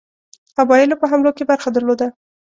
قبایلو په حملو کې برخه درلوده.